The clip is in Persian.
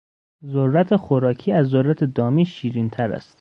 ذرت خوراکی از ذرت دامی شیرینتر است.